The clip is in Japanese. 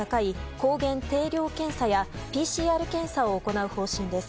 抗原定量検査やＰＣＲ検査を行う方針です。